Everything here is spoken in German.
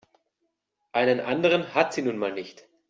Einen anderen hat sie nun mal nicht.